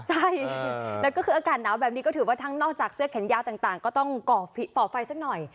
ใช่แล้วก็คืออากาศหนาวแบบนี้ก็ถือว่าทั้งนอกจากเสื้อแขนยาวต่างก็ต้องก่อไฟสักหน่อย